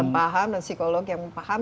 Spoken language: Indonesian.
paham dan psikolog yang paham